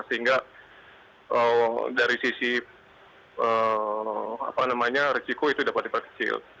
sehingga dari sisi risiko itu dapat diperkecil